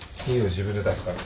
自分で出すから。